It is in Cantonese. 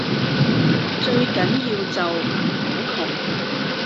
最緊要就唔好窮